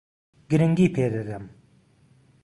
گرنگی پێ دەدەم.